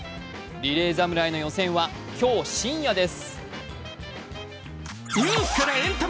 リレー侍の予選は今日深夜です。